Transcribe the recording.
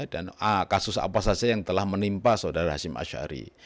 dan kasus apa saja yang telah menimpa saudara hashim asyari